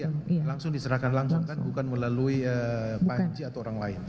ya langsung diserahkan langsung kan bukan melalui panci atau orang lain